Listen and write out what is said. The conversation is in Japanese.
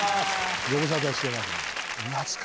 ご無沙汰してます。